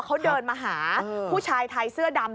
เขาเดินมาหาผู้ชายไทยเสื้อดำ